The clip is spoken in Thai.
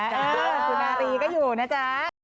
สุนารีก็อยู่นะจ๊ะ